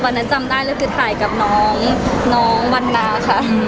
วันนั้นจำได้เลยคือถ่ายกับน้องน้องวันนาค่ะ